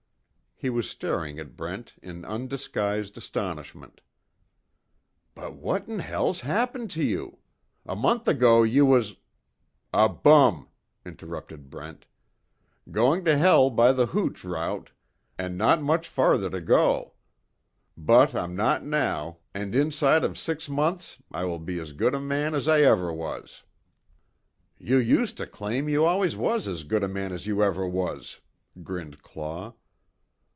He was staring at Brent in undisguised astonishment: "But, what in hell's happened to you? A month ago you was " "A bum," interrupted Brent, "Going to hell by the hooch route and not much farther to go. But I'm not now, and inside of six months I will be as good a man as I ever was." "You used to claim you always was as good a man as you ever was," grinned Claw.